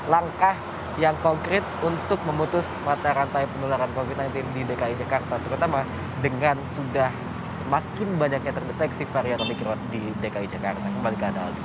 langkah yang konkret untuk memutus mata rantai penularan covid sembilan belas di dki jakarta terutama dengan sudah semakin banyaknya terdeteksi varian omikron di dki jakarta kembali ke anda aldi